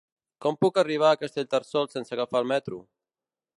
Com puc arribar a Castellterçol sense agafar el metro?